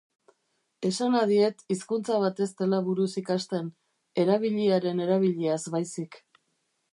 Esana diet hizkuntza bat ez dela buruz ikasten, erabiliaren erabiliaz baizik.